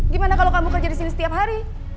gimana kalau kamu kerja di sini setiap hari